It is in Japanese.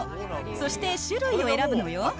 そして種類を選ぶのよ。